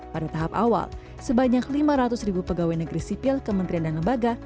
pada tahap awal sebanyak lima ratus ribu pegawai negeri sipil kementerian dan lembaga